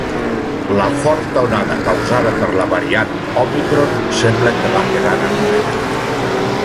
La forta onada causada per la variant òmicron sembla que va quedant enrere.